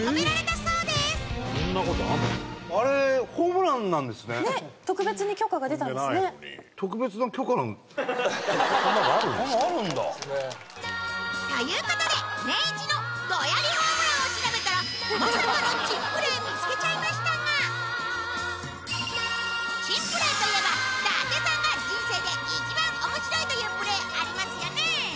そんなのあるんだということでネンイチ！のドヤりホームランを調べたらまさかの珍プレー見つけちゃいましたが珍プレーといえば伊達さんが人生で一番面白いというプレーありますよね？